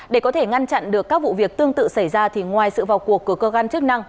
để có thể ngăn chặn được các vụ việc tương tự xảy ra thì ngoài sự vào cuộc của cơ quan chức năng